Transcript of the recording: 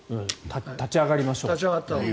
立ち上がりましょうと。